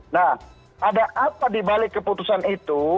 nah ada apa dibalik keputusan itu